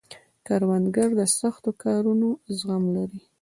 کروندګر د سختو کارونو زغم لري